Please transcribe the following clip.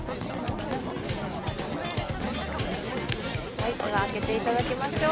はいでは開けていただきましょう。